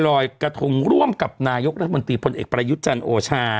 รอยกระทงร่วมกับนายกรัฐมนตรีพลเอกประยุทธ์จันทร์โอชา